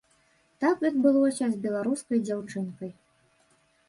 Так адбылося з беларускай дзяўчынкай.